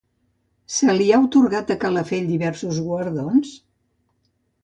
Se li ha atorgat a Calafell diversos guardons?